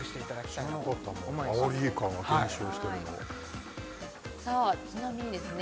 知らなかったアオリイカが減少してるのちなみにですね